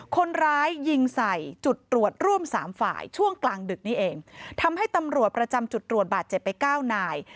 คนร้ายยิงใส่จุดตรวจร่วมสามฝ่ายช่วงกลางดึกนี้เองทำให้ตำรวจประจำจุดตรวจบาดเจ็บไปเก้านาย